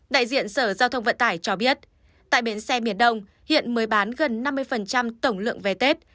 đại diện sở giao thông vận tải cho biết tại bến xe miền đông hiện mới bán gần năm mươi tổng lượng vé tết